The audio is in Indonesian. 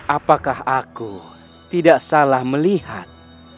apakah aku tidak salah melihat